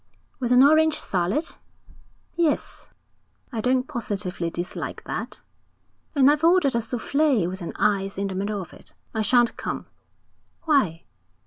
'With an orange salad?' 'Yes.' 'I don't positively dislike that.' 'And I've ordered a souffle with an ice in the middle of it.' 'I shan't come.' 'Why?'